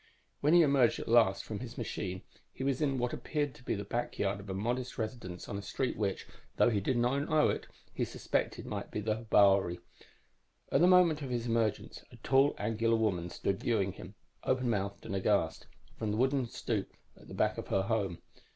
_ _When he emerged at last from his machine, he was in what appeared to be the backyard of a modest residence on a street which, though he did not know it, he suspected might be the Bouwerie. At the moment of his emergence, a tall, angular woman stood viewing him, open mouthed and aghast, from the wooden stoop at the back door of her home.